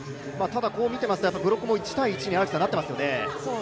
ただ、こう見ていますと、ブロックも１対１になっていますよね。